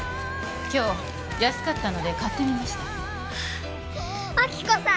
今日安かったので買ってみました亜希子さん